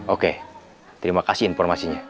oke terima kasih informasinya